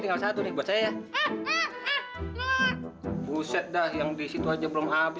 tapi kan dia kuat pak